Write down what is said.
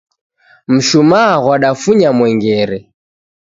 Mshumaa ghwadafunya mwengere.